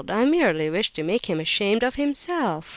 I merely wish to make him ashamed of himself.